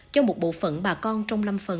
cho một bộ phận bà con trong lâm phần